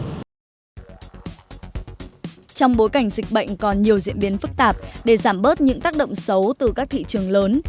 trong bối cảnh dịch bệnh còn nhiều diễn biến phức tạp để giảm bớt những tác động xấu từ các thị trường lớn